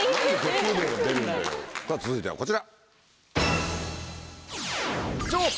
続いてはこちら。